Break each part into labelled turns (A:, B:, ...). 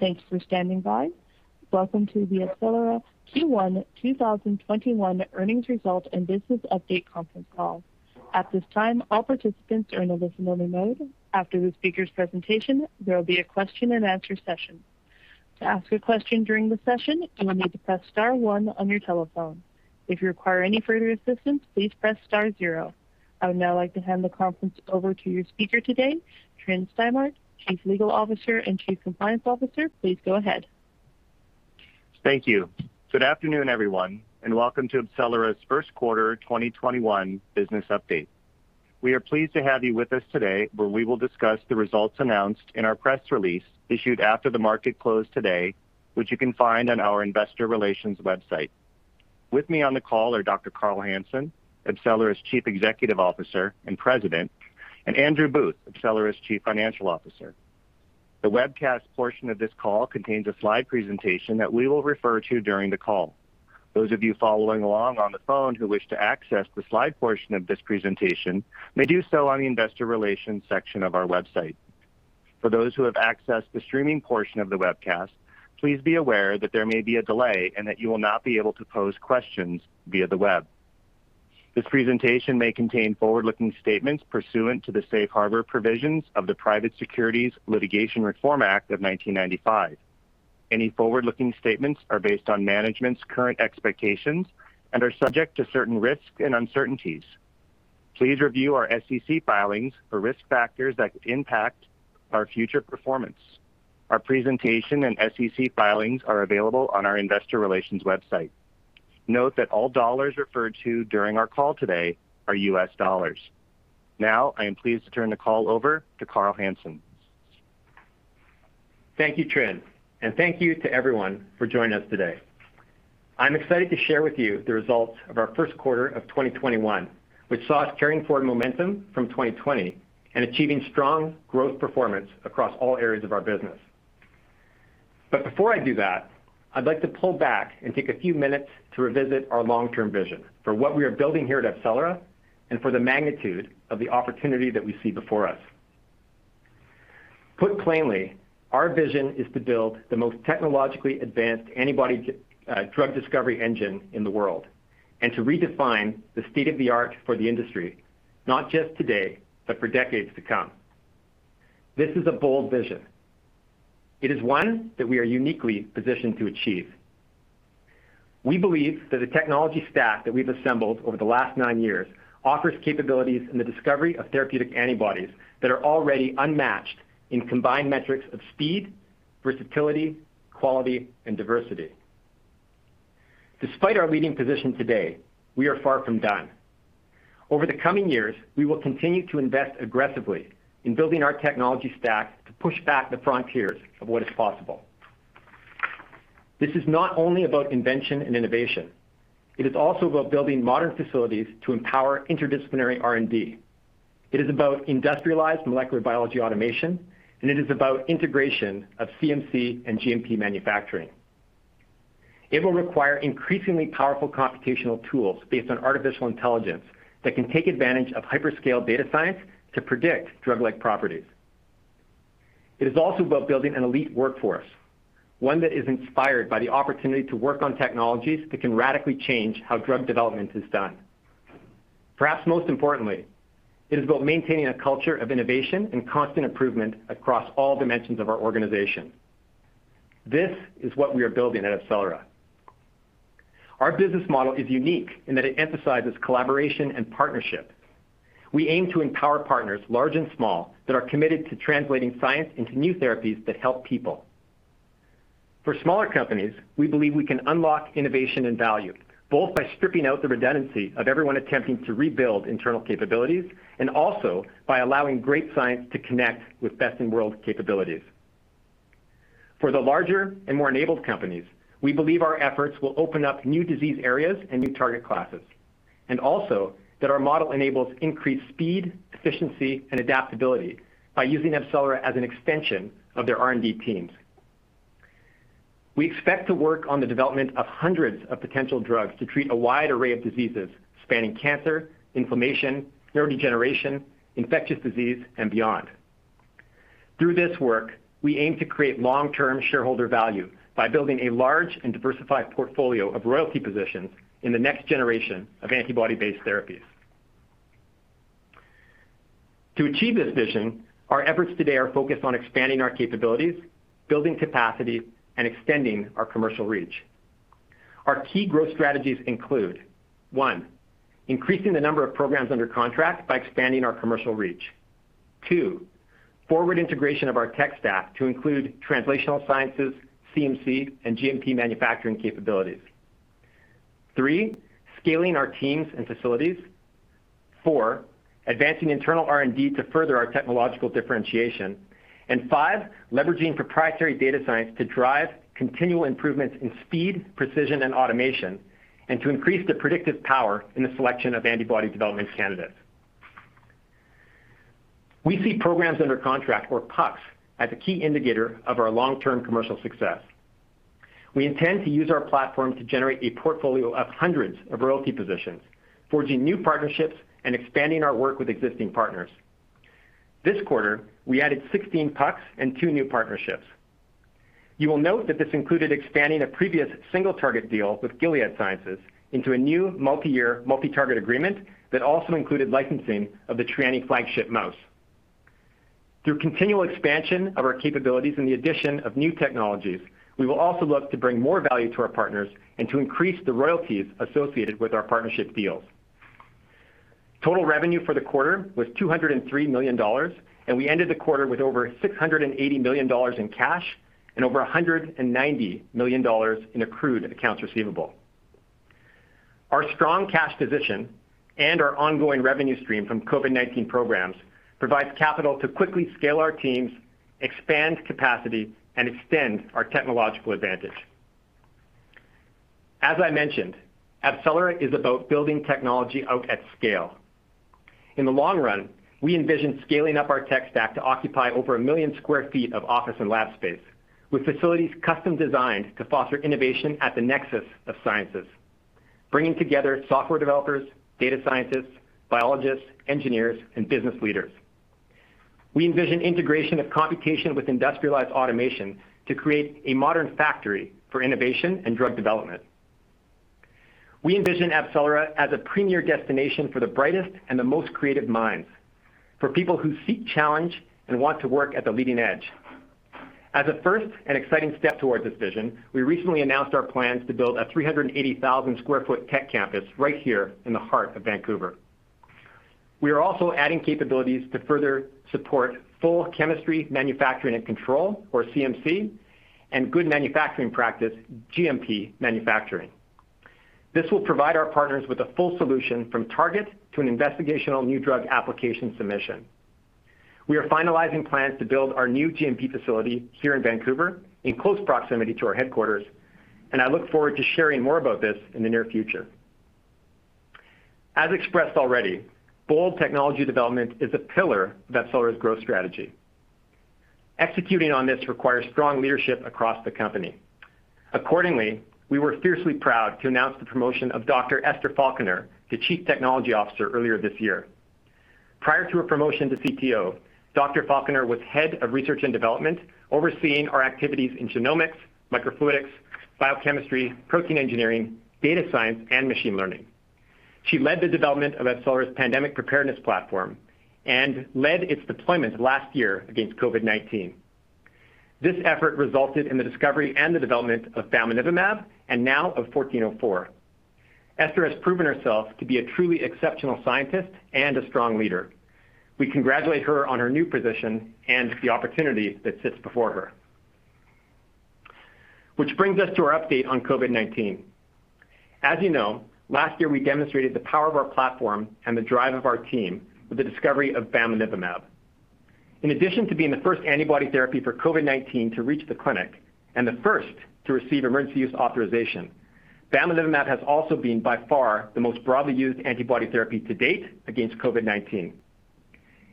A: Thanks for standing by. Welcome to the AbCellera Q1 2021 Earnings Results and Business Update Conference Call. I would now like to hand the conference over to your speaker today, Tryn Stimart, Chief Legal Officer and Chief Compliance Officer. Please go ahead.
B: Thank you. Good afternoon, everyone, and welcome to AbCellera's first quarter 2021 business update. We are pleased to have you with us today where we will discuss the results announced in our press release issued after the market close today, which you can find on our investor relations website. With me on the call are Dr. Carl Hansen, AbCellera's Chief Executive Officer and President, and Andrew Booth, AbCellera's Chief Financial Officer. The webcast portion of this call contains a slide presentation that we will refer to during the call. Those of you following along on the phone who wish to access the slide portion of this presentation may do so on the investor relations section of our website. For those who have accessed the streaming portion of the webcast, please be aware that there may be a delay and that you will not be able to pose questions via the web. This presentation may contain forward-looking statements pursuant to the Safe Harbor Provisions of the Private Securities Litigation Reform Act of 1995. Any forward-looking statements are based on management's current expectations and are subject to certain risks and uncertainties. Please review our SEC filings for risk factors that could impact our future performance. Our presentation and SEC filings are available on our investor relations website. Note that all dollars referred to during our call today are US dollars. Now, I am pleased to turn the call over to Carl Hansen.
C: Thank you, Tryn, and thank you to everyone for joining us today. I'm excited to share with you the results of our first quarter of 2021, which saw us carrying forward momentum from 2020 and achieving strong growth performance across all areas of our business. Before I do that, I'd like to pull back and take a few minutes to revisit our long-term vision for what we are building here at AbCellera and for the magnitude of the opportunity that we see before us. Put plainly, our vision is to build the most technologically advanced antibody drug discovery engine in the world, and to redefine the state-of-the-art for the industry, not just today, but for decades to come. This is a bold vision. It is one that we are uniquely positioned to achieve. We believe that the technology stack that we've assembled over the last nine years offers capabilities in the discovery of therapeutic antibodies that are already unmatched in combined metrics of speed, versatility, quality, and diversity. Despite our leading position today, we are far from done. Over the coming years, we will continue to invest aggressively in building our technology stack to push back the frontiers of what is possible. This is not only about invention and innovation. It is also about building modern facilities to empower interdisciplinary R&D. It is about industrialized molecular biology automation, and it is about integration of CMC and GMP manufacturing. It will require increasingly powerful computational tools based on artificial intelligence that can take advantage of hyperscale data science to predict drug-like properties. It is also about building an elite workforce, one that is inspired by the opportunity to work on technologies that can radically change how drug development is done. Perhaps most importantly, it is about maintaining a culture of innovation and constant improvement across all dimensions of our organization. This is what we are building at AbCellera. Our business model is unique in that it emphasizes collaboration and partnership. We aim to empower partners, large and small, that are committed to translating science into new therapies that help people. For smaller companies, we believe we can unlock innovation and value, both by stripping out the redundancy of everyone attempting to rebuild internal capabilities, and also by allowing great science to connect with best-in-world capabilities. For the larger and more enabled companies, we believe our efforts will open up new disease areas and new target classes, also that our model enables increased speed, efficiency, and adaptability by using AbCellera as an extension of their R&D teams. We expect to work on the development of hundreds of potential drugs to treat a wide array of diseases, spanning cancer, inflammation, neurodegeneration, infectious disease, and beyond. Through this work, we aim to create long-term shareholder value by building a large and diversified portfolio of royalty positions in the next generation of antibody-based therapies. To achieve this vision, our efforts today are focused on expanding our capabilities, building capacity, and extending our commercial reach. Our key growth strategies include, one, increasing the number of programs under contract by expanding our commercial reach. Two, forward integration of our tech stack to include translational sciences, CMC, and GMP manufacturing capabilities. Three, scaling our teams and facilities. Four, advancing internal R&D to further our technological differentiation. Five, leveraging proprietary data science to drive continual improvements in speed, precision, and automation, and to increase the predictive power in the selection of antibody development candidates. We see programs under contract, or PUCs, as a key indicator of our long-term commercial success. We intend to use our platform to generate a portfolio of hundreds of royalty positions, forging new partnerships and expanding our work with existing partners. This quarter, we added 16 PUCs and two new partnerships. You will note that this included expanding a previous single-target deal with Gilead Sciences into a new multi-year multi-target agreement that also included licensing of the Trianni flagship mouse. Through continual expansion of our capabilities and the addition of new technologies, we will also look to bring more value to our partners and to increase the royalties associated with our partnership deals. Total revenue for the quarter was $203 million, and we ended the quarter with over $680 million in cash and over $190 million in accrued accounts receivable. Our strong cash position and our ongoing revenue stream from COVID-19 programs provides capital to quickly scale our teams, expand capacity, and extend our technological advantage. As I mentioned, AbCellera is about building technology out at scale. In the long run, we envision scaling up our tech stack to occupy over 1 million square feet of office and lab space, with facilities custom-designed to foster innovation at the nexus of sciences, bringing together software developers, data scientists, biologists, engineers, and business leaders. We envision integration of computation with industrialized automation to create a modern factory for innovation and drug development. We envision AbCellera as a premier destination for the brightest and the most creative minds, for people who seek challenge and want to work at the leading edge. As a first and exciting step towards this vision, we recently announced our plans to build a 380,000 sq ft tech campus right here in the heart of Vancouver. We are also adding capabilities to further support full chemistry, manufacturing, and control, or CMC, and good manufacturing practice, GMP manufacturing. This will provide our partners with a full solution from target to an investigational new drug application submission. We are finalizing plans to build our new GMP facility here in Vancouver in close proximity to our headquarters, and I look forward to sharing more about this in the near future. As expressed already, bold technology development is a pillar of AbCellera's growth strategy. Executing on this requires strong leadership across the company. Accordingly, we were fiercely proud to announce the promotion of Dr. Ester Falconer to Chief Technology Officer earlier this year. Prior to her promotion to CTO, Dr. Falconer was head of research and development, overseeing our activities in genomics, microfluidics, biochemistry, protein engineering, data science, and machine learning. She led the development of AbCellera's pandemic preparedness platform and led its deployment last year against COVID-19. This effort resulted in the discovery and the development of bamlanivimab, and now of 1404. Ester has proven herself to be a truly exceptional scientist and a strong leader. We congratulate her on her new position and the opportunity that sits before her. Which brings us to our update on COVID-19. As you know, last year, we demonstrated the power of our platform and the drive of our team with the discovery of bamlanivimab. In addition to being the first antibody therapy for COVID-19 to reach the clinic and the first to receive emergency use authorization, bamlanivimab has also been by far the most broadly used antibody therapy to date against COVID-19.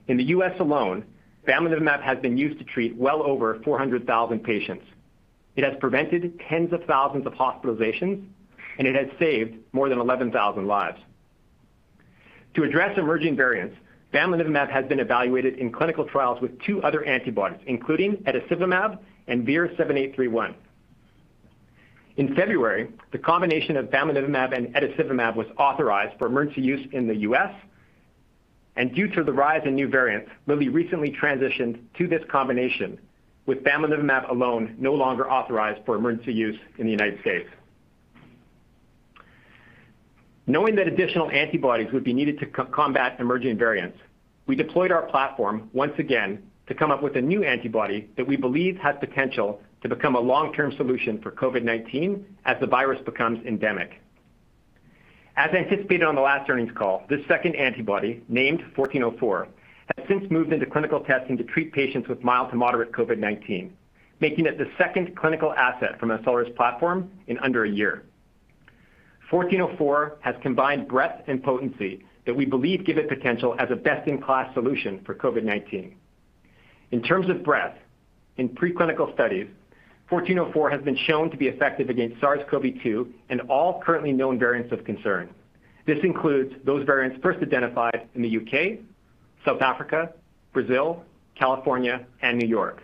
C: In the U.S. alone, bamlanivimab has been used to treat well over 400,000 patients. It has prevented tens of thousands of hospitalizations, and it has saved more than 11,000 lives. To address emerging variants, bamlanivimab has been evaluated in clinical trials with two other antibodies, including etesevimab and VIR-7831. In February, the combination of bamlanivimab and etesevimab was authorized for emergency use in the U.S., and due to the rise in new variants, Lilly recently transitioned to this combination, with bamlanivimab alone no longer authorized for emergency use in the United States. Knowing that additional antibodies would be needed to combat emerging variants, we deployed our platform once again to come up with a new antibody that we believe has potential to become a long-term solution for COVID-19 as the virus becomes endemic. As anticipated on the last earnings call, this second antibody, named 1404, has since moved into clinical testing to treat patients with mild to moderate COVID-19, making it the second clinical asset from AbCellera's platform in under a year. 1404 has combined breadth and potency that we believe give it potential as a best-in-class solution for COVID-19. In terms of breadth, in pre-clinical studies, 1404 has been shown to be effective against SARS-CoV-2 and all currently known variants of concern. This includes those variants first identified in the U.K., South Africa, Brazil, California, and New York.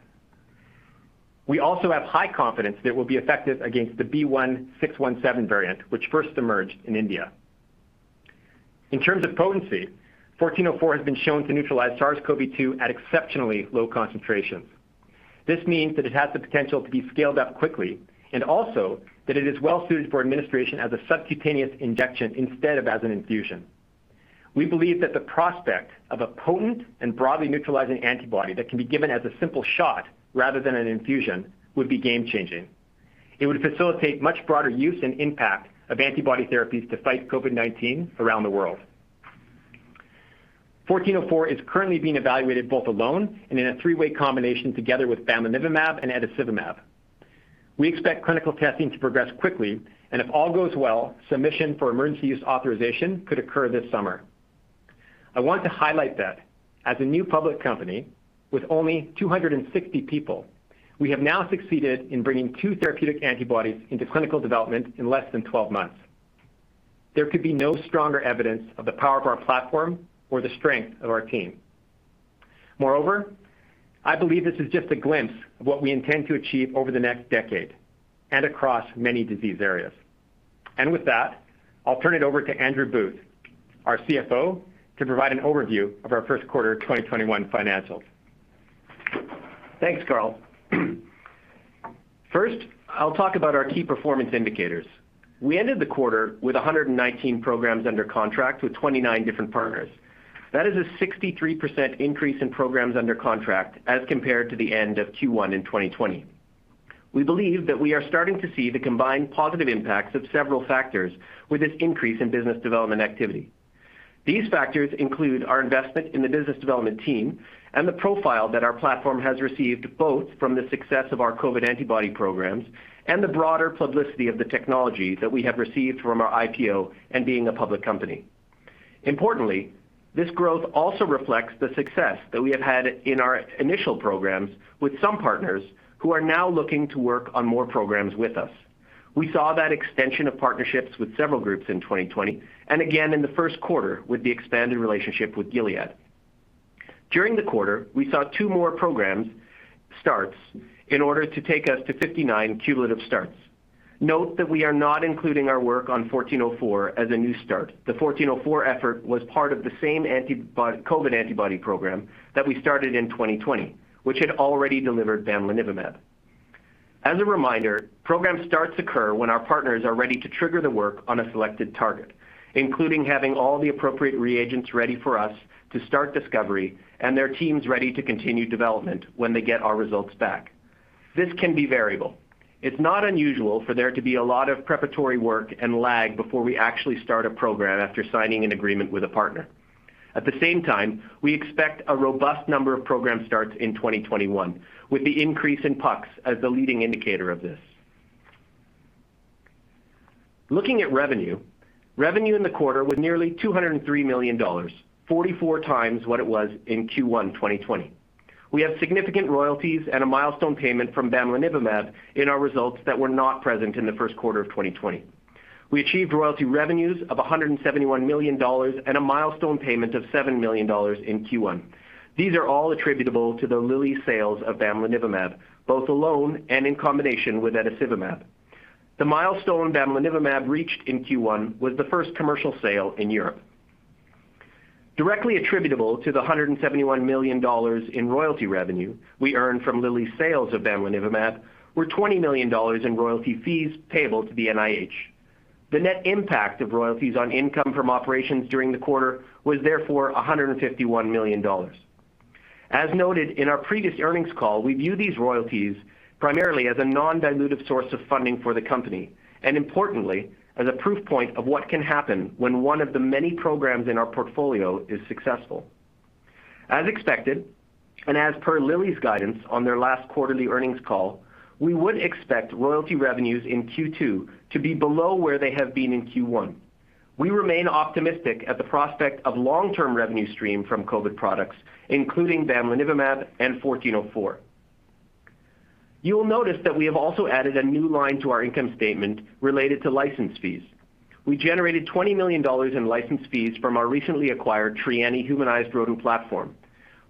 C: We also have high confidence that it will be effective against the B.1.617 variant, which first emerged in India. In terms of potency, 1404 has been shown to neutralize SARS-CoV-2 at exceptionally low concentrations. This means that it has the potential to be scaled up quickly, and also that it is well suited for administration as a subcutaneous injection instead of as an infusion. We believe that the prospect of a potent and broadly neutralizing antibody that can be given as a simple shot rather than an infusion would be game-changing. It would facilitate much broader use and impact of antibody therapies to fight COVID-19 around the world. 1404 is currently being evaluated both alone and in a three-way combination together with bamlanivimab and etesevimab. We expect clinical testing to progress quickly, and if all goes well, submission for emergency use authorization could occur this summer. I want to highlight that as a new public company with only 260 people, we have now succeeded in bringing two therapeutic antibodies into clinical development in less than 12 months. There could be no stronger evidence of the power of our platform or the strength of our team. Moreover, I believe this is just a glimpse of what we intend to achieve over the next decade and across many disease areas. With that, I'll turn it over to Andrew Booth, our CFO, to provide an overview of our first quarter 2021 financials.
D: Thanks, Carl. First, I'll talk about our key performance indicators. We ended the quarter with 119 programs under contract with 29 different partners. That is a 63% increase in programs under contract as compared to the end of Q1 in 2020. We believe that we are starting to see the combined positive impacts of several factors with this increase in business development activity. These factors include our investment in the business development team and the profile that our platform has received, both from the success of our COVID antibody programs and the broader publicity of the technology that we have received from our IPO and being a public company. Importantly, this growth also reflects the success that we have had in our initial programs with some partners who are now looking to work on more programs with us. We saw that extension of partnerships with several groups in 2020, and again in the first quarter with the expanded relationship with Gilead. During the quarter, we saw two more programs starts in order to take us to 59 cumulative starts. Note that we are not including our work on 1404 as a new start. The 1404 effort was part of the same COVID antibody program that we started in 2020, which had already delivered bamlanivimab. As a reminder, program starts occur when our partners are ready to trigger the work on a selected target, including having all the appropriate reagents ready for us to start discovery and their teams ready to continue development when they get our results back. This can be variable. It's not unusual for there to be a lot of preparatory work and lag before we actually start a program after signing an agreement with a partner. At the same time, we expect a robust number of program starts in 2021, with the increase in PUCs as the leading indicator of this. Looking at revenue in the quarter was nearly $203 million, 44x what it was in Q1 2020. We have significant royalties and a milestone payment from bamlanivimab in our results that were not present in the first quarter of 2020. We achieved royalty revenues of $171 million and a milestone payment of $7 million in Q1. These are all attributable to the Lilly sales of bamlanivimab, both alone and in combination with etesevimab. The milestone bamlanivimab reached in Q1 was the first commercial sale in Europe. Directly attributable to the $171 million in royalty revenue we earned from Lilly's sales of bamlanivimab, were 20 million dollars in royalty fees payable to the NIH. The net impact of royalties on income from operations during the quarter was therefore 151 million dollars. As noted in our previous earnings call, we view these royalties primarily as a non-dilutive source of funding for the company, and importantly, as a proof point of what can happen when one of the many programs in our portfolio is successful. As expected, and as per Lilly's guidance on their last quarterly earnings call, we would expect royalty revenues in Q2 to be below where they have been in Q1. We remain optimistic at the prospect of long-term revenue stream from COVID products, including bamlanivimab and 1404. You will notice that we have also added a new line to our income statement related to license fees. We generated 20 million dollars in license fees from our recently acquired Trianni humanized rodent platform.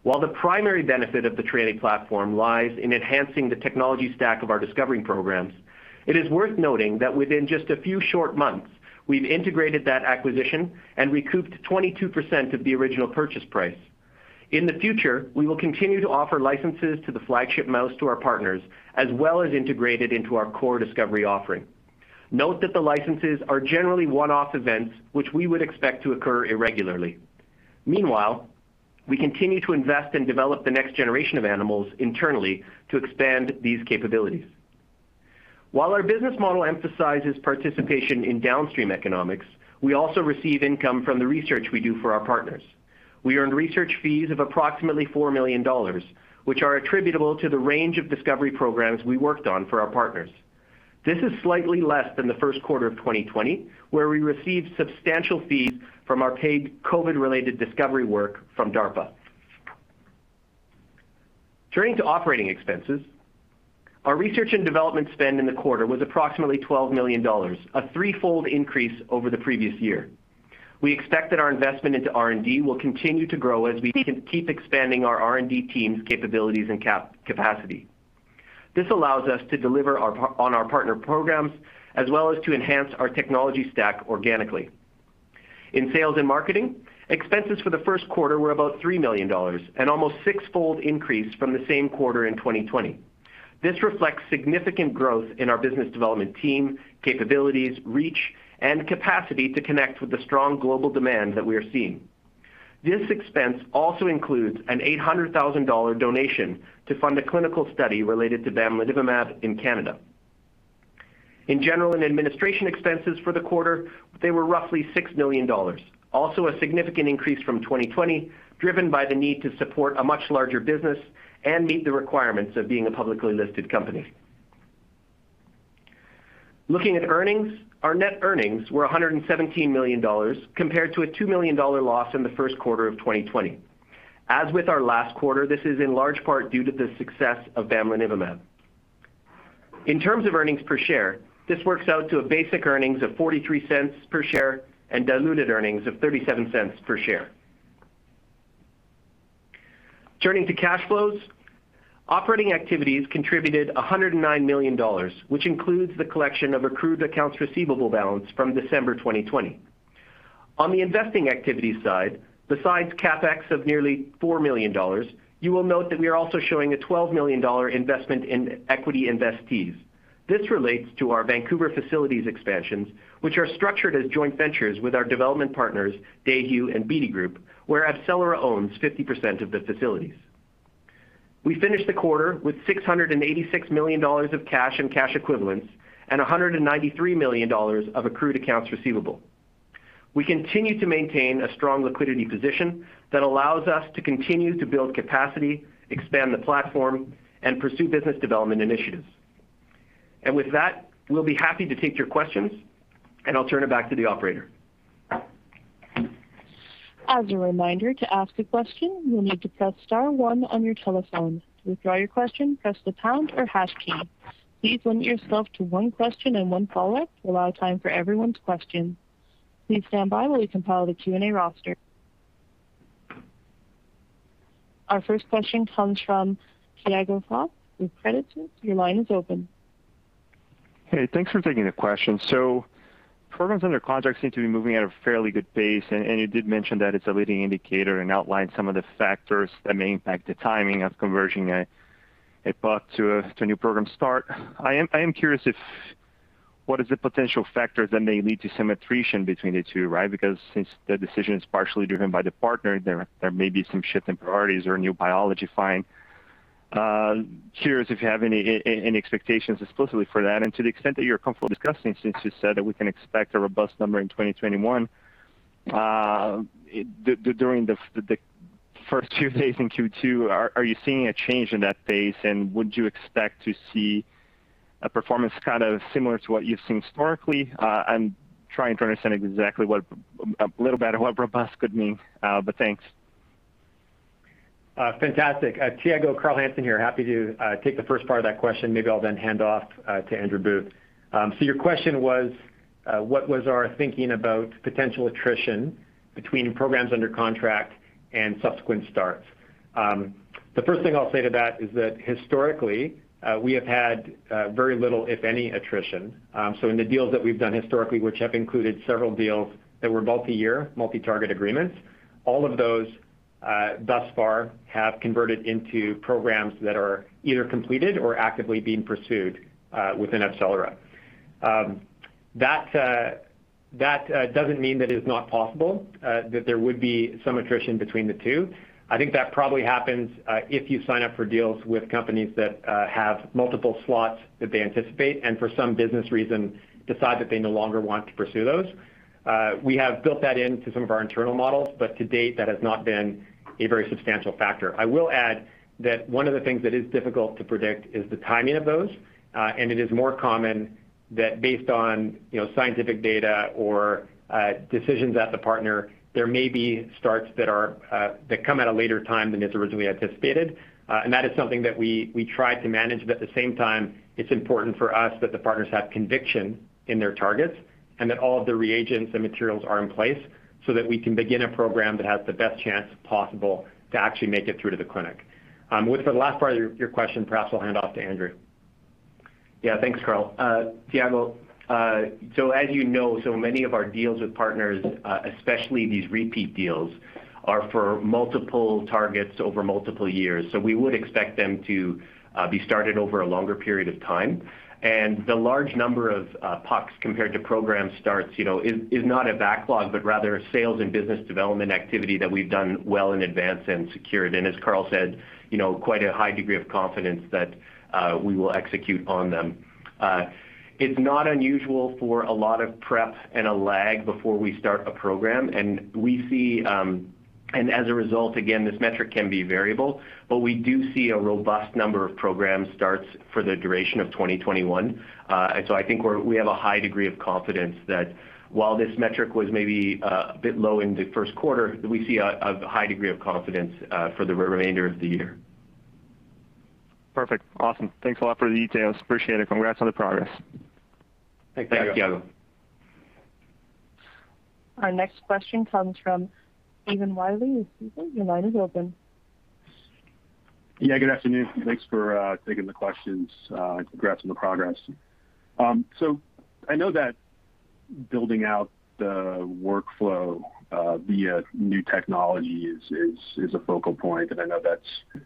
D: While the primary benefit of the Trianni platform lies in enhancing the technology stack of our discovery programs, it is worth noting that within just a few short months, we've integrated that acquisition and recouped 22% of the original purchase price. In the future, we will continue to offer licenses to the flagship mouse to our partners, as well as integrate it into our core discovery offering. Note that the licenses are generally one-off events, which we would expect to occur irregularly. Meanwhile, we continue to invest and develop the next generation of animals internally to expand these capabilities. While our business model emphasizes participation in downstream economics, we also receive income from the research we do for our partners. We earned research fees of approximately $4 million, which are attributable to the range of discovery programs we worked on for our partners. This is slightly less than the first quarter of 2020, where we received substantial fees from our paid COVID-related discovery work from DARPA. Turning to operating expenses, our research and development spend in the quarter was approximately $12 million, a threefold increase over the previous year. We expect that our investment into R&D will continue to grow as we keep expanding our R&D team's capabilities and capacity. This allows us to deliver on our partner programs as well as to enhance our technology stack organically. In sales and marketing, expenses for the first quarter were about $3 million, an almost sixfold increase from the same quarter in 2020. This reflects significant growth in our business development team, capabilities, reach, and capacity to connect with the strong global demand that we are seeing. This expense also includes a 800,000 dollar donation to fund a clinical study related to bamlanivimab in Canada. General and administrative expenses for the quarter, they were roughly 6 million dollars. A significant increase from 2020, driven by the need to support a much larger business and meet the requirements of being a publicly listed company. Looking at earnings, our net earnings were 117 million dollars compared to a 2 million dollar loss in the first quarter of 2020. As with our last quarter, this is in large part due to the success of bamlanivimab. In terms of earnings per share, this works out to basic earnings of 0.43 per share and diluted earnings of 0.37 per share. Turning to cash flows, operating activities contributed 109 million dollars, which includes the collection of accrued accounts receivable balance from December 2020. On the investing activities side, besides CapEx of nearly 4 million dollars, you will note that we are also showing a 12 million dollar investment in equity investees. This relates to our Vancouver facilities expansions, which are structured as joint ventures with our development partners, Dayhu and Beedie, where AbCellera owns 50% of the facilities. We finished the quarter with $686 million of cash and cash equivalents and $193 million of accrued accounts receivable. We continue to maintain a strong liquidity position that allows us to continue to build capacity, expand the platform, and pursue business development initiatives. With that, we will be happy to take your questions, and I will turn it back to the operator.
A: As a reminder, to ask a question, you'll need to press star one on your telephone. To withdraw your question, press the pound or hash key. Please limit yourself to one question and one follow-up to allow time for everyone's questions. Please stand by while we compile the Q&A roster. Our first question comes from Tiago Fauth with Credit Suisse. Your line is open.
E: Hey, thanks for taking the question. Programs under contract seem to be moving at a fairly good pace, and you did mention that it's a leading indicator and outlined some of the factors that may impact the timing of conversion a PUC to a new program start. I am curious, what is the potential factors that may lead to some attrition between the two, right? Since the decision is partially driven by the partner, there may be some shift in priorities or a new biology find. Curious if you have any expectations explicitly for that and to the extent that you're comfortable discussing since you said that we can expect a robust number in 2021. During the first two days in Q2, are you seeing a change in that pace, and would you expect to see a performance kind of similar to what you've seen historically? I'm trying to understand a little about what robust could mean. Thanks.
C: Fantastic. Tiago, Carl Hansen here. Happy to take the first part of that question. Maybe I'll then hand off to Andrew Booth. Your question was, what was our thinking about potential attrition between programs under contract and subsequent starts? The first thing I'll say to that is that historically, we have had very little, if any, attrition. In the deals that we've done historically, which have included several deals that were multi-year, multi-target agreements, all of those thus far have converted into programs that are either completed or actively being pursued within AbCellera. That doesn't mean that it's not possible that there would be some attrition between the two. I think that probably happens if you sign up for deals with companies that have multiple slots that they anticipate and for some business reason decide that they no longer want to pursue those. We have built that into some of our internal models, but to date, that has not been a very substantial factor. I will add that one of the things that is difficult to predict is the timing of those. It is more common that based on scientific data or decisions at the partner, there may be starts that come at a later time than is originally anticipated. That is something that we try to manage, but at the same time, it's important for us that the partners have conviction in their targets and that all of the reagents and materials are in place so that we can begin a program that has the best chance possible to actually make it through to the clinic. For the last part of your question, perhaps I'll hand off to Andrew.
D: Thanks, Carl. Tiago, as you know, many of our deals with partners, especially these repeat deals, are for multiple targets over multiple years. We would expect them to be started over a longer period of time. The large number of PUCs compared to program starts is not a backlog, but rather sales and business development activity that we've done well in advance and secured, and as Carl said, quite a high degree of confidence that we will execute on them. It's not unusual for a lot of prep and a lag before we start a program. As a result, again, this metric can be variable, but we do see a robust number of program starts for the duration of 2021. I think we have a high degree of confidence that while this metric was maybe a bit low in the first quarter, that we see a high degree of confidence for the remainder of the year.
E: Perfect. Awesome. Thanks a lot for the details. Appreciate it. Congrats on the progress.
D: Thanks, Tiago.
C: Thanks, Tiago.
A: Our next question comes from Stephen Willey of Stifel Financial Corp. Your line is open.
F: Yeah, good afternoon. Thanks for taking the questions. Congrats on the progress. I know that building out the workflow via new technology is a focal point, and I know that's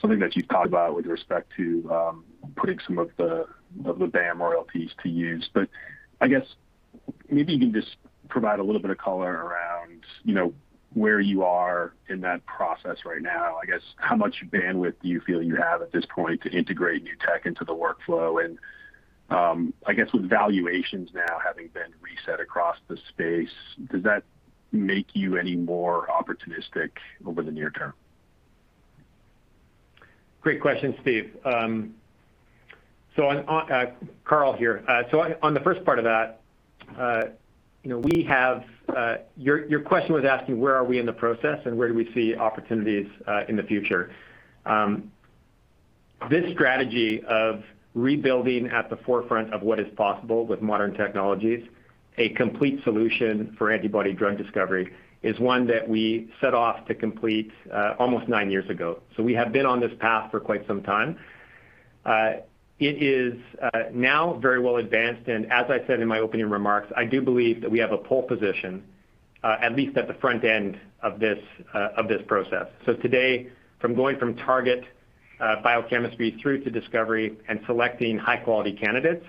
F: something that you've talked about with respect to putting some of the BAM royalties to use. I guess maybe you can just provide a little bit of color around where you are in that process right now? I guess how much bandwidth do you feel you have at this point to integrate new tech into the workflow? I guess with valuations now having been reset across the space, does that make you any more opportunistic over the near term?
C: Great question, Steve. Carl here. On the first part of that, your question was asking where are we in the process and where do we see opportunities in the future? This strategy of rebuilding at the forefront of what is possible with modern technologies, a complete solution for antibody drug discovery, is one that we set off to complete almost nine years ago. We have been on this path for quite some time. It is now very well advanced, and as I said in my opening remarks, I do believe that we have a pole position, at least at the front end of this process. Today, from going from target biochemistry through to discovery and selecting high-quality candidates,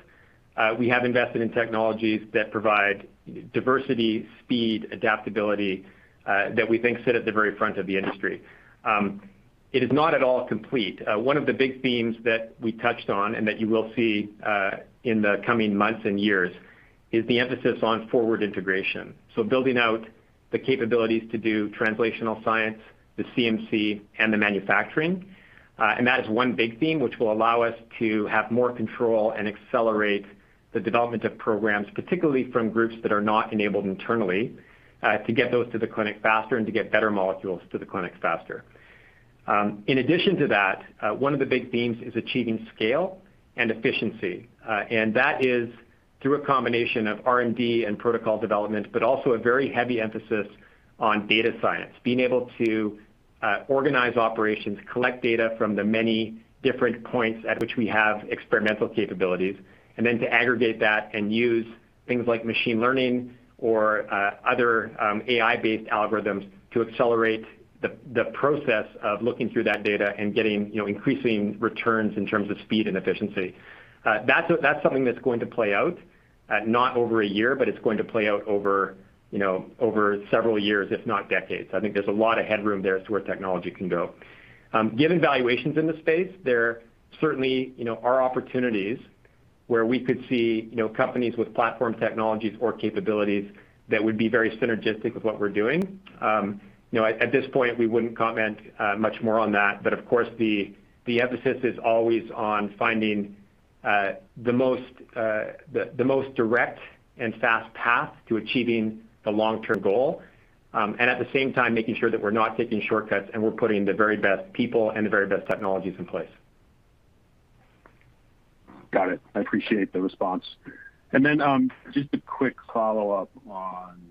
C: we have invested in technologies that provide diversity, speed, adaptability, that we think sit at the very front of the industry. It is not at all complete. One of the big themes that we touched on and that you will see in the coming months and years is the emphasis on forward integration. Building out the capabilities to do translational science, the CMC, and the manufacturing. That is one big theme, which will allow us to have more control and accelerate the development of programs, particularly from groups that are not enabled internally, to get those to the clinic faster and to get better molecules to the clinics faster. In addition to that, one of the big themes is achieving scale and efficiency. That is through a combination of R&D and protocol development, but also a very heavy emphasis on data science, being able to organize operations, collect data from the many different points at which we have experimental capabilities, and then to aggregate that and use things like machine learning or other AI-based algorithms to accelerate the process of looking through that data and increasing returns in terms of speed and efficiency. That's something that's going to play out, not over a year, but it's going to play out over several years, if not decades. I think there's a lot of headroom there as to where technology can go. Given valuations in the space, there certainly are opportunities where we could see companies with platform technologies or capabilities that would be very synergistic with what we're doing. At this point, we wouldn't comment much more on that. Of course, the emphasis is always on finding the most direct and fast path to achieving the long-term goal, and at the same time, making sure that we're not taking shortcuts and we're putting the very best people and the very best technologies in place.
F: Got it. I appreciate the response. Just a quick follow-up on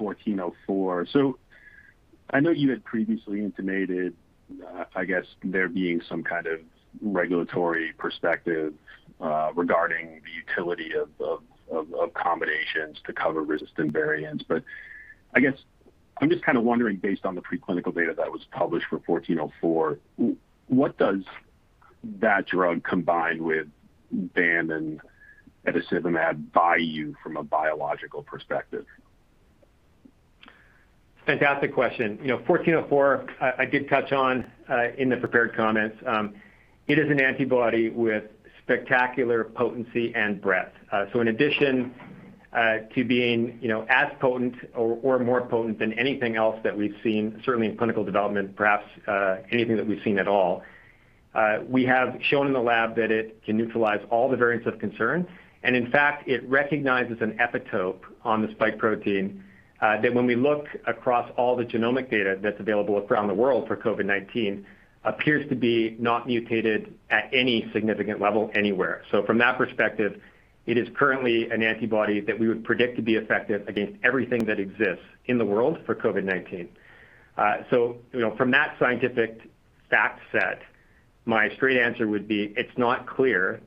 F: bebtelovimab. I know you had previously intimated, I guess, there being some kind of regulatory perspective regarding the utility of combinations to cover resistant variants. I guess I'm just kind of wondering, based on the preclinical data that was published for bebtelovimab, what does that drug combined with bam and etesevimab buy you from a biological perspective?
C: Fantastic question. 1404, I did touch on in the prepared comments. It is an antibody with spectacular potency and breadth. In addition to being as potent or more potent than anything else that we've seen, certainly in clinical development, perhaps anything that we've seen at all, we have shown in the lab that it can neutralize all the variants of concern, and in fact, it recognizes an epitope on the spike protein, that when we look across all the genomic data that's available around the world for COVID-19, appears to be not mutated at any significant level anywhere. From that perspective, it is currently an antibody that we would predict to be effective against everything that exists in the world for COVID-19. From that scientific fact set, my straight answer would be, it's not clear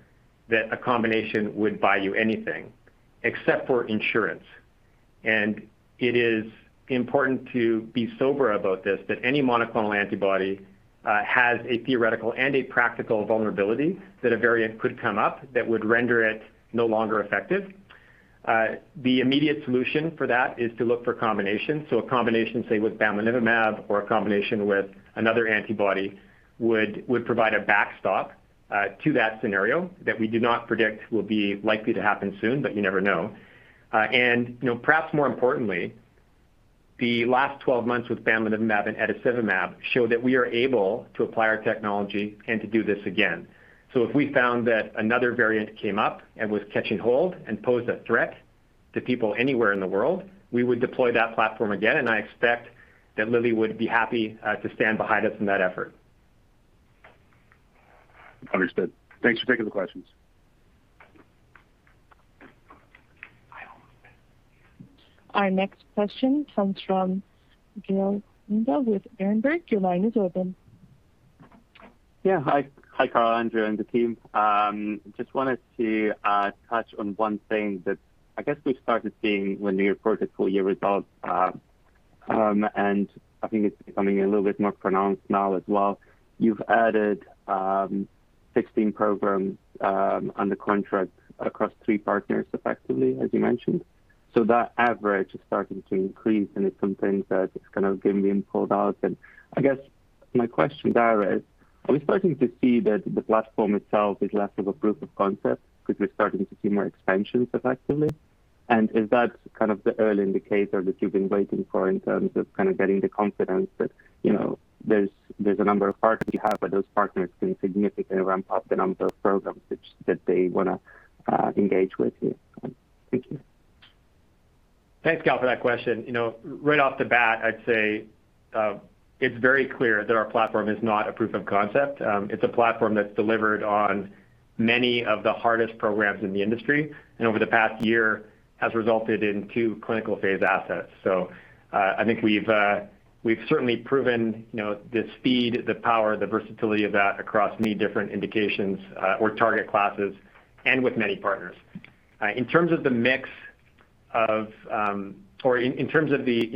C: that a combination would buy you anything except for insurance. It is important to be sober about this, that any monoclonal antibody has a theoretical and a practical vulnerability that a variant could come up that would render it no longer effective. The immediate solution for that is to look for combinations. A combination, say, with bamlanivimab or a combination with another antibody would provide a backstop to that scenario that we do not predict will be likely to happen soon, but you never know. Perhaps more importantly, the last 12 months with bamlanivimab and etesevimab show that we are able to apply our technology and to do this again. If we found that another variant came up and was catching hold and posed a threat to people anywhere in the world, we would deploy that platform again, and I expect that Lilly would be happy to stand behind us in that effort.
F: Understood. Thanks for taking the questions.
A: Our next question comes from Gal Munda with Berenberg. Your line is open.
G: Yeah. Hi, Carl, Andrew, and the team. Just wanted to touch on one thing that I guess we started seeing when you reported full year results, and I think it's becoming a little bit more pronounced now as well. You've added 16 programs under contract across three partners effectively, as you mentioned. That average is starting to increase, and it's something that is kind of being pulled out. I guess my question there is, are we starting to see that the platform itself is less of a proof of concept because we're starting to see more expansions effectively? Is that the early indicator that you've been waiting for in terms of getting the confidence that there's a number of partners you have, but those partners can significantly ramp up the number of programs that they want to engage with you? Thank you.
C: Thanks, Gal, for that question. Right off the bat, I'd say it's very clear that our platform is not a proof of concept. It's a platform that's delivered on many of the hardest programs in the industry, and over the past year has resulted in two clinical phase assets. I think we've certainly proven the speed, the power, the versatility of that across many different indications or target classes and with many partners. In terms of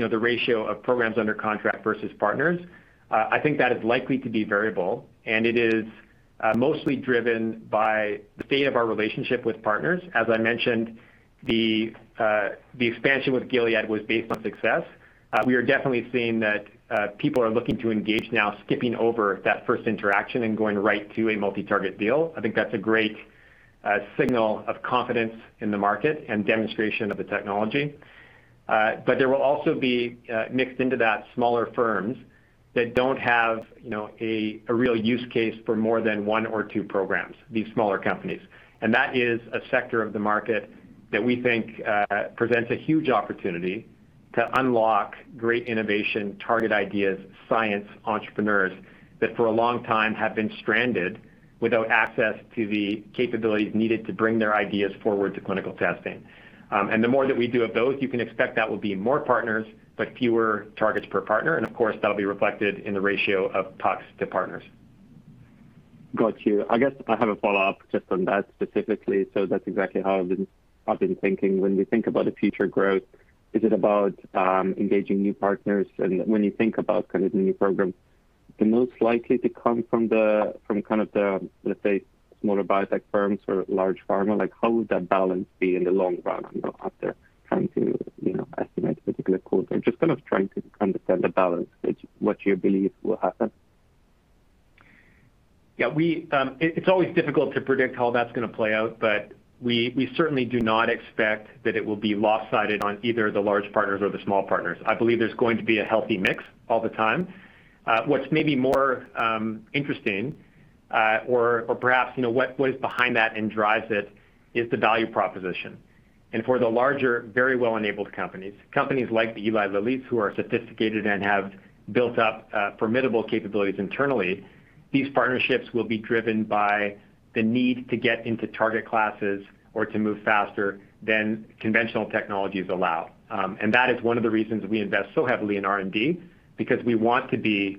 C: the ratio of programs under contract versus partners, I think that is likely to be variable, and it is mostly driven by the state of our relationship with partners. As I mentioned, the expansion with Gilead was based on success. We are definitely seeing that people are looking to engage now, skipping over that first interaction and going right to a multi-target deal. I think that's a great signal of confidence in the market and demonstration of the technology. There will also be, mixed into that, smaller firms that don't have a real use case for more than one or two programs, these smaller companies. That is a sector of the market that we think presents a huge opportunity to unlock great innovation, target ideas, science, entrepreneurs, that for a long time have been stranded without access to the capabilities needed to bring their ideas forward to clinical testing. The more that we do of those, you can expect that will be more partners, but fewer targets per partner. Of course, that'll be reflected in the ratio of PUCs to partners.
G: Got you. I guess I have a follow-up just on that specifically. That's exactly how I've been thinking. When we think about the future growth, is it about engaging new partners? When you think about the new program, the most likely to come from the, let's say, smaller biotech firms or large pharma, how would that balance be in the long run after trying to estimate a particular quarter? Just trying to understand the balance, what you believe will happen.
C: Yeah. It's always difficult to predict how that's going to play out, but we certainly do not expect that it will be lopsided on either the large partners or the small partners. I believe there's going to be a healthy mix all the time. What's maybe more interesting or perhaps what is behind that and drives it, is the value proposition. For the larger, very well-enabled companies like the Eli Lillys who are sophisticated and have built up formidable capabilities internally, these partnerships will be driven by the need to get into target classes or to move faster than conventional technologies allow. That is one of the reasons we invest so heavily in R&D, because we want to be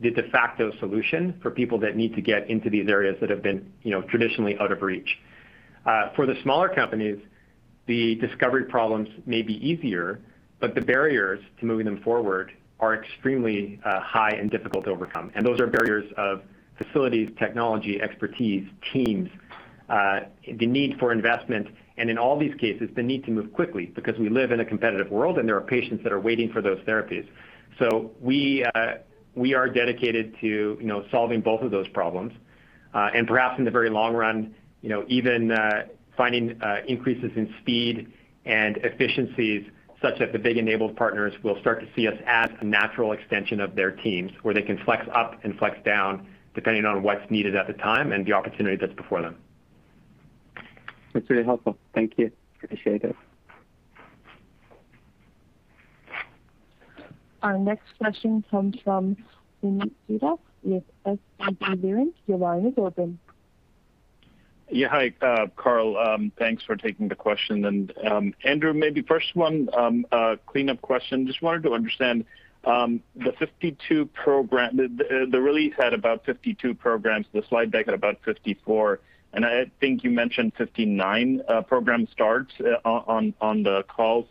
C: the de facto solution for people that need to get into these areas that have been traditionally out of reach. For the smaller companies, the discovery problems may be easier, but the barriers to moving them forward are extremely high and difficult to overcome. Those are barriers of facilities, technology, expertise, teams, the need for investment, and in all these cases, the need to move quickly because we live in a competitive world, and there are patients that are waiting for those therapies. We are dedicated to solving both of those problems. Perhaps in the very long run, even finding increases in speed and efficiencies such that the big enabled partners will start to see us as a natural extension of their teams, where they can flex up and flex down depending on what's needed at the time and the opportunity that's before them.
G: That's really helpful. Thank you. Appreciate it.
A: Our next question comes from Puneet Souda with SVB Leerink. Your line is open.
H: Yeah. Hi, Carl. Thanks for taking the question. Andrew, maybe first one, a cleanup question. Just wanted to understand. The release had about 52 programs. The slide deck had about 54, and I think you mentioned 59 program starts on the call.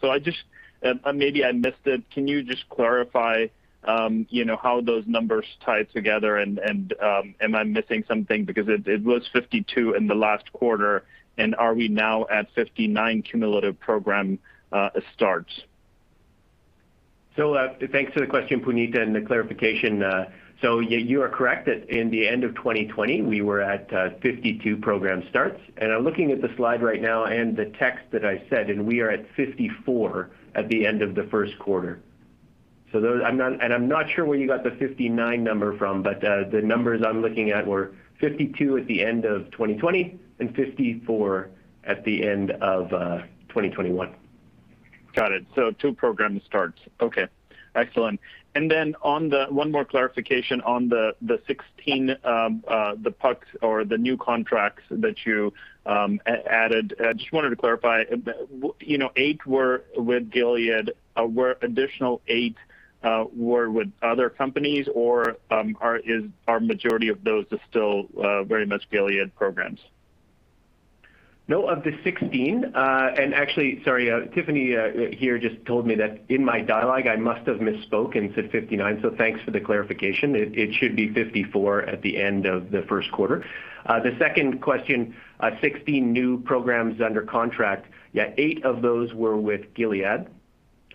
H: Maybe I missed it. Can you just clarify how those numbers tie together and am I missing something? Because it was 52 in the last quarter, and are we now at 59 cumulative program starts?
D: Thanks for the question, Puneet Souda, and the clarification. You are correct that in the end of 2020, we were at 52 program starts. I'm looking at the slide right now and the text that I said, and we are at 54 at the end of the first quarter. I'm not sure where you got the 59 number from, but the numbers I'm looking at were 52 at the end of 2020 and 54 at the end of 2021.
H: Got it. Two program starts. Okay. Excellent. One more clarification on the 16, the PUCs or the new contracts that you added. Just wanted to clarify. Eight were with Gilead. Were additional eight were with other companies, or our majority of those are still very much Gilead programs?
D: No, of the 16. Actually, sorry, Tiffany here just told me that in my dialogue, I must have misspoken, said 59, so thanks for the clarification. It should be 54 at the end of the first quarter. The second question, 16 new programs under contract. Eight of those were with Gilead.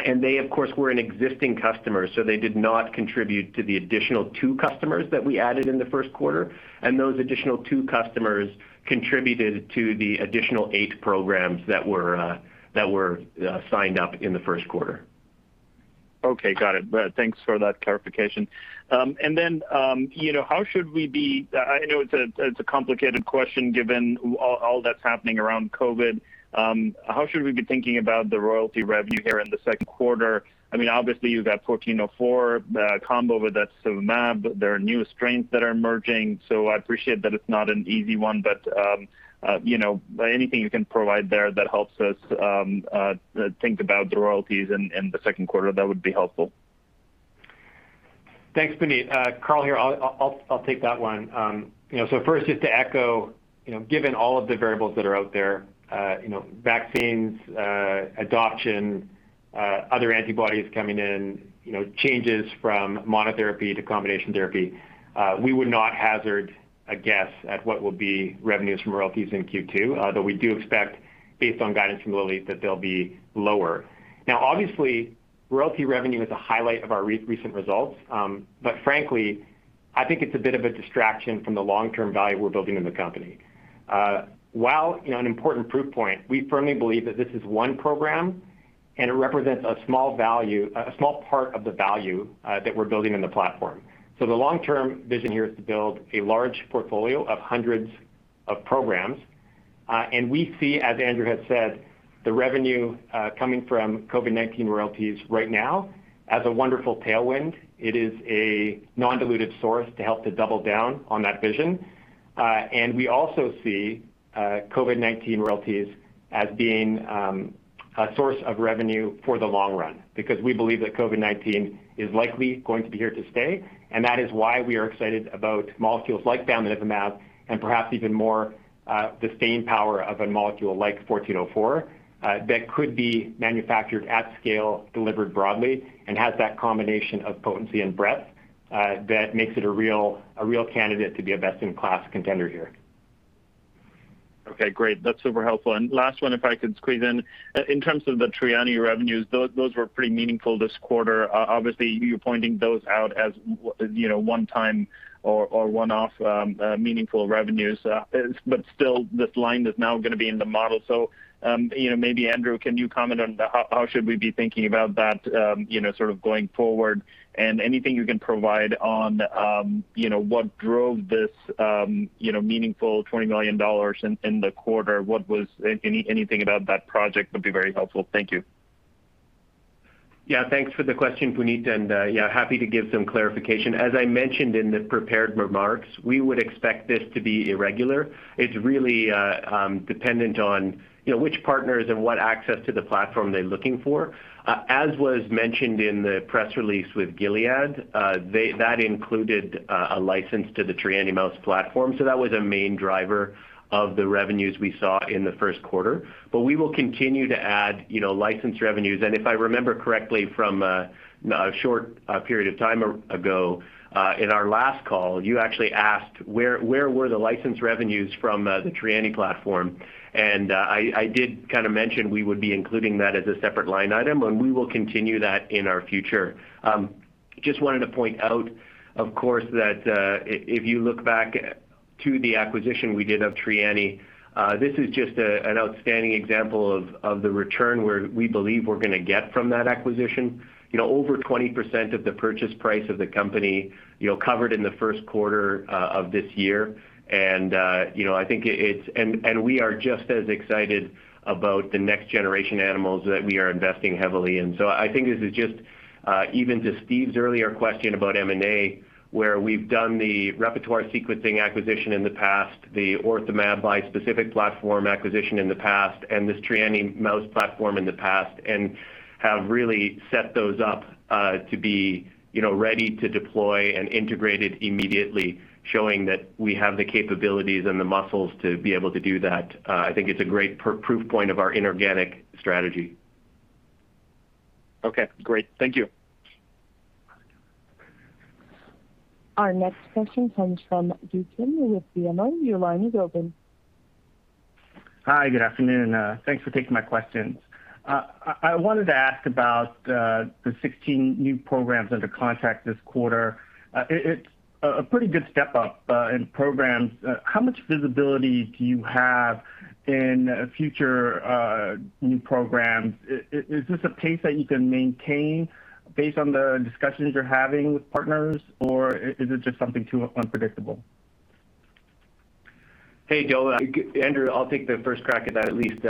D: They, of course, were an existing customer, so they did not contribute to the additional two customers that we added in the first quarter, and those additional two customers contributed to the additional eight programs that were signed up in the first quarter.
H: Okay. Got it. Thanks for that clarification. I know it's a complicated question given all that's happening around COVID. How should we be thinking about the royalty revenue here in the second quarter? Obviously, you've got bebtelovimab, the combo with etesevimab. There are new strains that are emerging, so I appreciate that it's not an easy one, but anything you can provide there that helps us think about the royalties in the second quarter, that would be helpful.
C: Thanks, Puneet. Carl here. I'll take that one. First, just to echo, given all of the variables that are out there, vaccines, adoption, other antibodies coming in, changes from monotherapy to combination therapy, we would not hazard a guess at what will be revenues from royalties in Q2, though we do expect, based on guidance from Lilly, that they'll be lower. Obviously, royalty revenue is a highlight of our recent results. Frankly, I think it's a bit of a distraction from the long-term value we're building in the company. While an important proof point, we firmly believe that this is one program and it represents a small part of the value that we're building in the platform. The long-term vision here is to build a large portfolio of hundreds of programs. We see, as Andrew had said, the revenue coming from COVID-19 royalties right now as a wonderful tailwind. It is a non-diluted source to help to double down on that vision. We also see COVID-19 royalties as being a source of revenue for the long run, because we believe that COVID-19 is likely going to be here to stay, and that is why we are excited about molecules like bamlanivimab, and perhaps even more, the staying power of a molecule like 1404 that could be manufactured at scale, delivered broadly, and has that combination of potency and breadth that makes it a real candidate to be a best-in-class contender here.
H: Okay. Great. That's super helpful. Last one, if I could squeeze in. In terms of the Trianni revenues, those were pretty meaningful this quarter. Obviously, you're pointing those out as one-time or one-off meaningful revenues. Still, this line is now going to be in the model. Maybe Andrew, can you comment on how should we be thinking about that sort of going forward? Anything you can provide on what drove this meaningful 20 million dollars in the quarter. Anything about that project would be very helpful. Thank you.
D: Yeah. Thanks for the question, Puneet, happy to give some clarification. As I mentioned in the prepared remarks, we would expect this to be irregular. It's really dependent on which partners and what access to the platform they're looking for. As was mentioned in the press release with Gilead, that included a license to the Trianni Mouse platform. That was a main driver of the revenues we saw in the first quarter. We will continue to add license revenues. If I remember correctly from a short period of time ago, in our last call, you actually asked where were the license revenues from the Trianni platform, and I did kind of mention we would be including that as a separate line item, and we will continue that in our future. Just wanted to point out, of course, that if you look back to the acquisition we did of Trianni, this is just an outstanding example of the return we believe we're going to get from that acquisition. Over 20% of the purchase price of the company covered in the first quarter of this year. We are just as excited about the next generation animals that we are investing heavily in. I think this is just, even to Steve's earlier question about M&A, where we've done the repertoire sequencing acquisition in the past, the OrthoMab bispecific platform acquisition in the past, and this Trianni Mouse platform in the past, and have really set those up to be ready to deploy and integrated immediately, showing that we have the capabilities and the muscles to be able to do that. I think it's a great proof point of our inorganic strategy.
H: Okay, great. Thank you.
A: Our next question comes from Do Kim with BMO. Your line is open.
I: Hi, good afternoon. Thanks for taking my questions. I wanted to ask about the 16 new Programs Under Contract this quarter. It's a pretty good step-up in programs. How much visibility do you have in future new programs? Is this a pace that you can maintain based on the discussions you're having with partners, or is it just something too unpredictable?
D: Hey, Do Kim. Andrew. I'll take the first crack at that at least.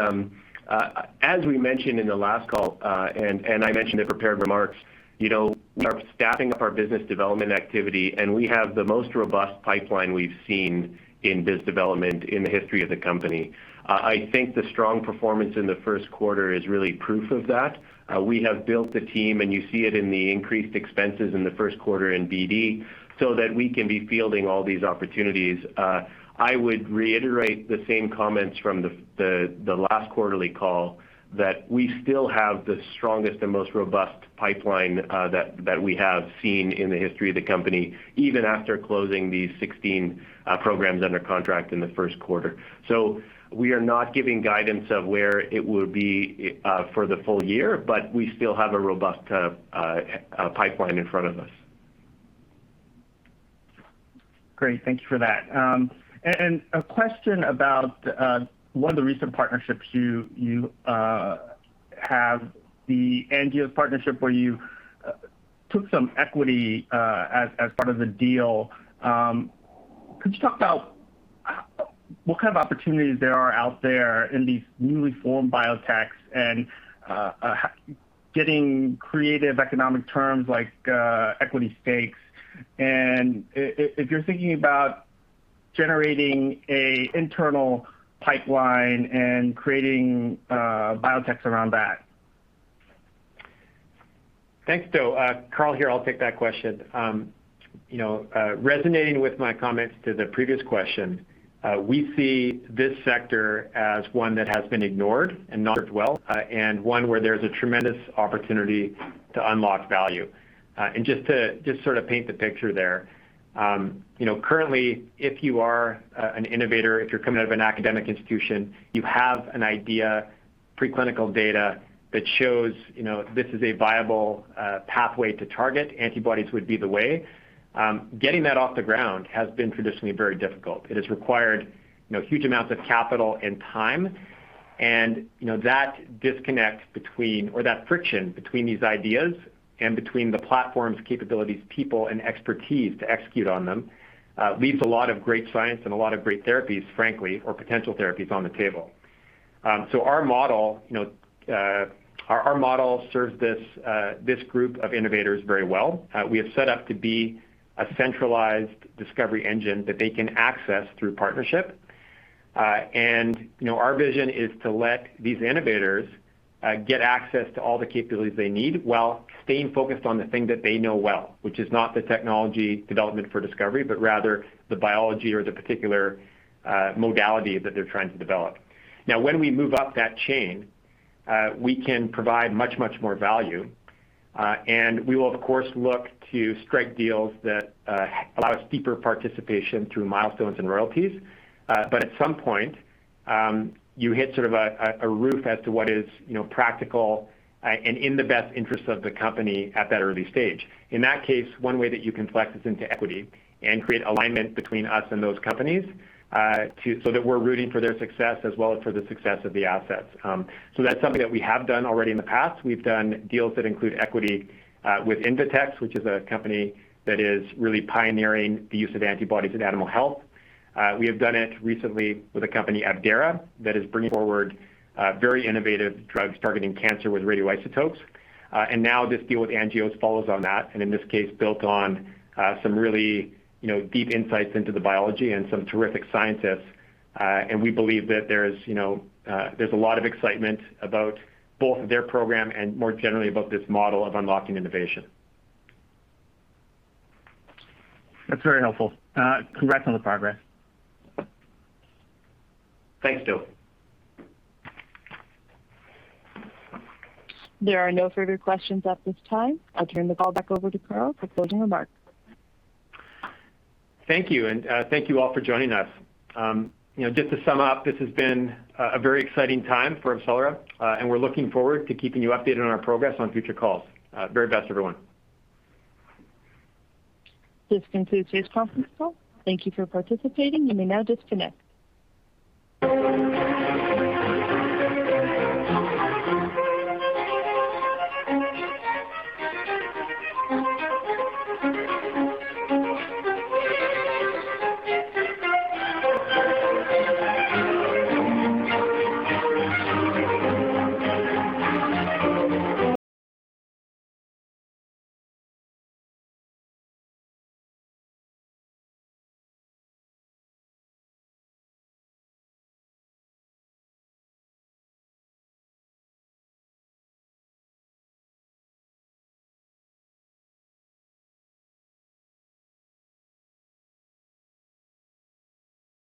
D: As we mentioned in the last call, and I mentioned in prepared remarks, we are staffing up our biz development activity, and we have the most robust pipeline we've seen in biz development in the history of the company. I think the strong performance in the first quarter is really proof of that. We have built the team, and you see it in the increased expenses in the first quarter in BD, so that we can be fielding all these opportunities. I would reiterate the same comments from the last quarterly call that we still have the strongest and most robust pipeline that we have seen in the history of the company, even after closing these 16 Programs Under Contract in the first quarter. We are not giving guidance of where it will be for the full year, but we still have a robust pipeline in front of us.
I: Great. Thank you for that. A question about one of the recent partnerships you have, the Angios partnership, where you took some equity as part of the deal. Could you talk about what kind of opportunities there are out there in these newly formed biotechs and getting creative economic terms like equity stakes, and if you're thinking about generating an internal pipeline and creating biotechs around that?
C: Thanks, Do. Carl here, I'll take that question. Resonating with my comments to the previous question, we see this sector as one that has been ignored and not served well, and one where there's a tremendous opportunity to unlock value. Just to paint the picture there. Currently, if you are an innovator, if you're coming out of an academic institution, you have an idea, preclinical data that shows this is a viable pathway to target, antibodies would be the way. Getting that off the ground has been traditionally very difficult. It has required huge amounts of capital and time, and that disconnect between, or that friction between these ideas and between the platforms, capabilities, people, and expertise to execute on them leaves a lot of great science and a lot of great therapies, frankly, or potential therapies on the table. Our model serves this group of innovators very well. We have set up to be a centralized discovery engine that they can access through partnership. Our vision is to let these innovators get access to all the capabilities they need while staying focused on the thing that they know well, which is not the technology development for discovery, but rather the biology or the particular modality that they're trying to develop. When we move up that chain, we can provide much, much more value. We will, of course, look to strike deals that allow steeper participation through milestones and royalties. At some point, you hit sort of a roof as to what is practical and in the best interest of the company at that early stage. In that case, one way that you can flex is into equity and create alignment between us and those companies so that we're rooting for their success as well as for the success of the assets. That's something that we have done already in the past. We've done deals that include equity with Invetx, which is a company that is really pioneering the use of antibodies in animal health. We have done it recently with a company, Abdera, that is bringing forward very innovative drugs targeting cancer with radioisotopes. Now this deal with Angios follows on that, and in this case, built on some really deep insights into the biology and some terrific scientists. We believe that there's a lot of excitement about both their program and more generally about this model of unlocking innovation.
I: That's very helpful. Congrats on the progress.
C: Thanks, Do.
A: There are no further questions at this time. I'll turn the call back over to Carl for closing remarks.
C: Thank you, and thank you all for joining us. Just to sum up, this has been a very exciting time for AbCellera, and we're looking forward to keeping you updated on our progress on future calls. Very best, everyone.
A: This concludes today's conference call. Thank you for participating. You may now disconnect.